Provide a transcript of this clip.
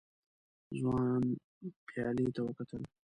ځوان پيالې ته وکتل.